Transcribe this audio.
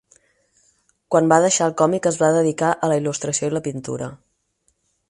Quan va deixar el còmic es va dedicar a la il·lustració i la pintura.